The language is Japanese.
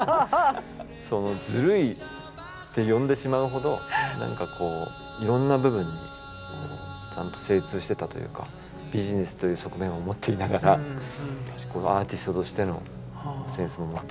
ずるいって呼んでしまうほど何かこういろんな部分にちゃんと精通してたというかビジネスという側面を持っていながらアーティストとしてのセンスも持っているという。